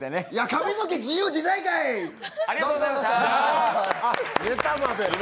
髪の毛、自由自在かい！